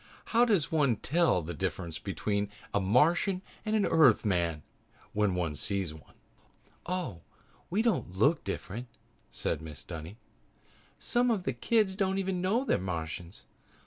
How does one tell the difference between a Martian and an Earthman when one sees one?" "Oh, we don't look any different," said Mrs. Dunny. "Some of the kids don't even know they're Martians.